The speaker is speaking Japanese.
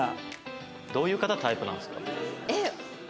どういう方タイプなんですか？